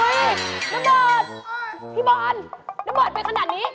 เฮ่ยน้ำบอดพี่บอลน้ำบอดเป็นขนาดนี้